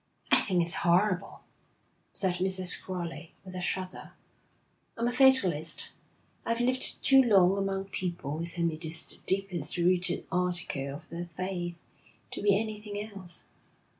'I think it's horrible,' said Mrs. Crowley, with a shudder. 'I'm a fatalist. I've lived too long among people with whom it is the deepest rooted article of their faith, to be anything else.